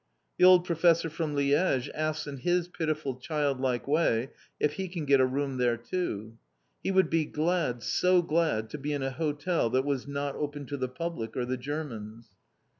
The old professor from Liège asks in his pitiful childlike way if he can get a room there too. He would be glad, so glad, to be in a hotel that was not open to the public, or the Germans.